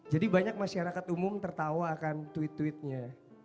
jadi banyak masyarakat umum tertawa akan tweet tweetnya